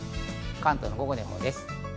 関東の午後の予報です。